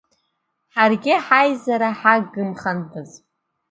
Ҳаргьы ҳаизара ҳагымхандаз!